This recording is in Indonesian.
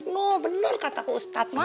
no bener kata ke ustadz ma